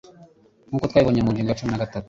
nk'uko twabibonye mu ngingo yacumi nagatu